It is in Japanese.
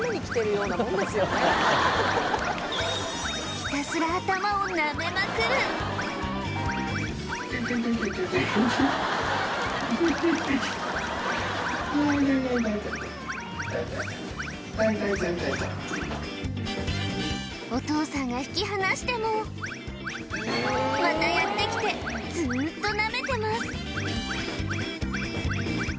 ひたすら頭を舐めまくるお父さんが引き離してもまたやってきてずっと舐めてます